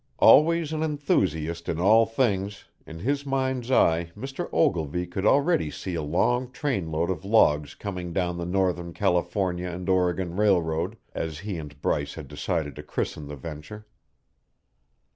Always an enthusiast in all things, in his mind's eye Mr. Ogilvy could already see a long trainload of logs coming down the Northern California & Oregon Railroad, as he and Bryce had decided to christen the venture.